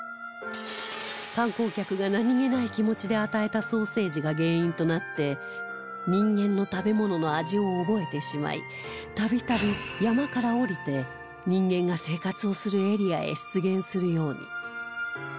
観光客が何げない気持ちで与えたソーセージが原因となって人間の食べ物の味を覚えてしまい度々山から下りて人間が生活をするエリアへ出現するように